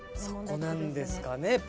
そこなんですかね？